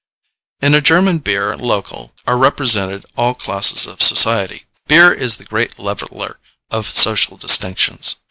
In a German Bier Local are represented all classes of society. Beer is the great leveller of social distinctions.